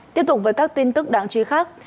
tiếp tục với các tin tức đáng truy khắc